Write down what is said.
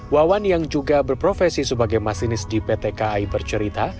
wawan yang juga berprofesi sebagai masinis di pt kai bercerita